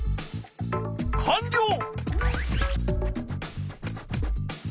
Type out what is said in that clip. かんりょう！